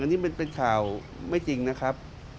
อันนี้มันเป็นข่าวไม่จริงนะครับ